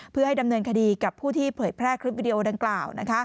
เพื่อให้ดำเนินคดีกับผู้ที่เผยแพร่คลิปวิดีโอดังกล่าว